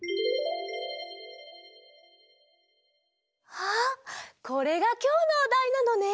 あっこれがきょうのおだいなのね。